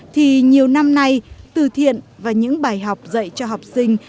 thì nhiều năm nay từ thiện và những bài học dạy cho học sinh